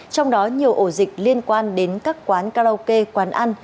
trong đó nhiều ổ dịch liên quan đến các quán karaoke quán ăn